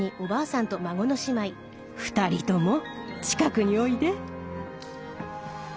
２人とも近くにおいで。